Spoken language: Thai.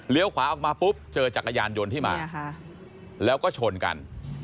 ขวาออกมาปุ๊บเจอจักรยานยนต์ที่มาแล้วก็ชนกัน